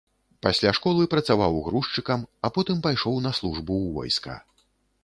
Пасля школы працаваў грузчыкам, а потым пайшоў на службу ў войска.